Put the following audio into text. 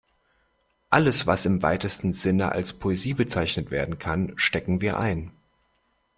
Alles, was im weitesten Sinne als Poesie bezeichnet werden kann, stecken wir ein.